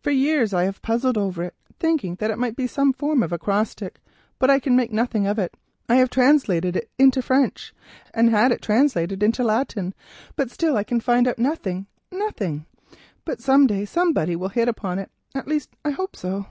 For years I have puzzled over it, thinking that it might be some form of acrostic, but I can make nothing of it. I have tried it all ways. I have translated it into French, and had it translated into Latin, but still I can find out nothing—nothing. But some day somebody will hit upon it—at least I hope so."